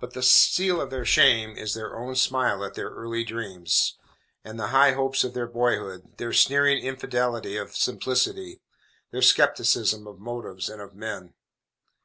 But the seal of their shame is their own smile at their early dreams, and the high hopes of their boyhood, their sneering infidelity of simplicity, their skepticism of motives and of men.